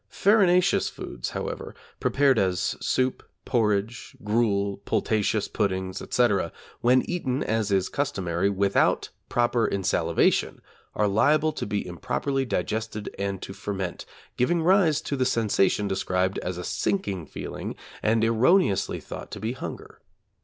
Farinaceous foods, however, prepared as soup, porridge, gruel, pultaceous puddings, etc., when eaten, as is customary, without proper insalivation, are liable to be improperly digested and to ferment, giving rise to the sensation described as a 'sinking feeling' and erroneously thought to be hunger.